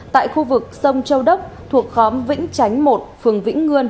tại khu vực sông châu đốc thuộc khóm vĩnh chánh một phường vĩnh ngươn